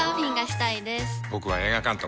僕は映画監督。